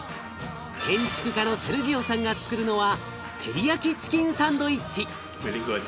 建築家のセルジオさんがつくるのはテリヤキチキンサンドイッチ。